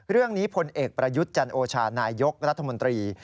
พลเอกประยุทธ์จันโอชานายยกรัฐมนตรี